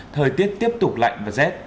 thời tiết tiếp tục lạnh và rét